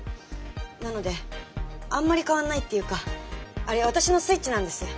なのであんまり変わんないっていうかあれ私のスイッチなんです。